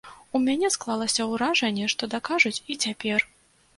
У мяне склалася ўражанне, што дакажуць і цяпер.